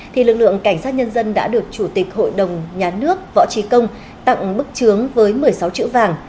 thì lực lượng cảnh sát nhân dân đã được chủ tịch hội đồng nhà nước võ trí công tặng bức chướng với một mươi sáu chữ vàng